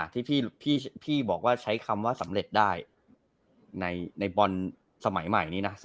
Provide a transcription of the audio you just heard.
ที่พี่บอกว่าใช้คำว่าสำเร็จได้ในบอลสมัยใหม่นี้นะ